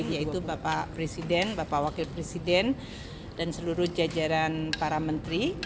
yaitu bapak presiden bapak wakil presiden dan seluruh jajaran para menteri